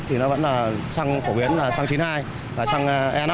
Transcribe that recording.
thì nó vẫn là săng phổ biến là săng chín mươi hai và săng e năm